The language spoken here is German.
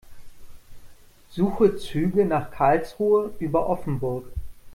Suche Züge nach Karlsruhe über Offenburg.